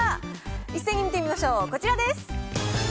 一斉に見てみましょう、こちらです。